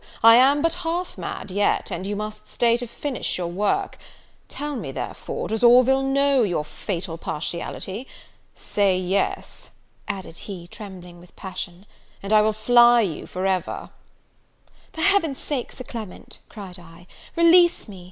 I am but half mad yet, and you must stay to finish your work. Tell me, therefore, does Orville know your fatal partiality? Say yes," added he, trembling with passion, "and I will fly you for ever!" "For Heaven's sake, Sir Clement," cried I, "release me!